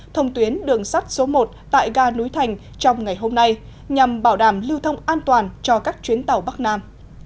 thông tuyến đường sắt số một tại ga núi thành trong ngày hôm nay nhằm bảo đảm lưu thông an toàn cho các chuyến tàu bắc nam